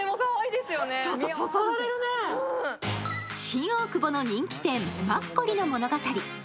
新大久保の人気店、マッコリの物語。